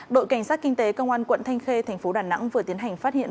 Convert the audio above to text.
đội cảnh sát kinh tế công an quận thanh khê thành phố đà nẵng vừa tiến hành phát hiện